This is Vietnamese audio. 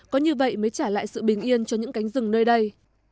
có như vậy mới trả lại sự bình yên cho những cánh rừng nơi đây